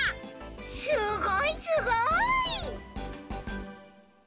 すごいすごい！